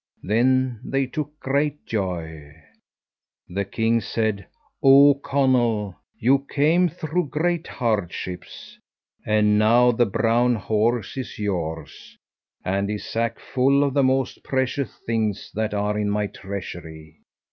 Then they took great joy. The king said, "Oh, Conall, you came through great hardships. And now the brown horse is yours, and his sack full of the most precious things that are in my treasury."